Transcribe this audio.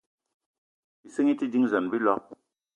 Ìsínga í te dínzan á bíloig